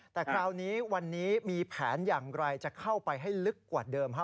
แต่คราวนี้วันนี้มีแผนอย่างไรจะเข้าไปให้ลึกกว่าเดิม